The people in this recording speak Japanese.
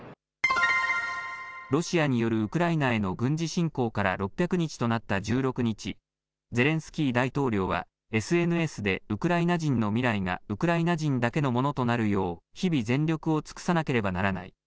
ロシアによるウクライナへの軍事侵攻から６００日となった１６日、ゼレンスキー大統領はＳＮＳでウクライナ人の未来がウクライナ人だけのものとなるよう日々全力を尽くさなければならない。